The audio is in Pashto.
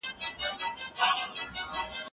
نوي محصلین له پخوانیو څېړونکو څخه زیاتي تېروتنې کوي.